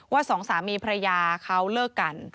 สองสามีภรรยาเขาเลิกกัน